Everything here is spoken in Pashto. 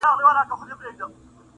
ښکلې لکه ښاخ د شګوفې پر مځکه ګرځي -